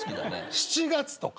７月とか。